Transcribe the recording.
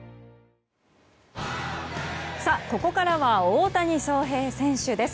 さあ、ここからは大谷翔平選手です。